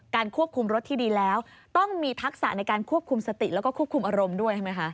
ควบคุมรถที่ดีแล้วต้องมีทักษะในการควบคุมสติแล้วก็ควบคุมอารมณ์ด้วยใช่ไหมคะ